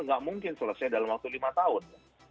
nggak mungkin selesai dalam waktu lima tahun